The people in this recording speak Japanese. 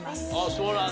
そうなんだ。